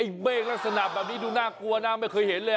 เมฆลักษณะแบบนี้ดูน่ากลัวนะไม่เคยเห็นเลย